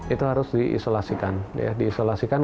itu harus diisolasikan